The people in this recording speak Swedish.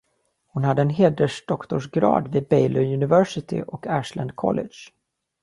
Hon hade en hedersdoktorsgrad vid Baylor University och Ashland College.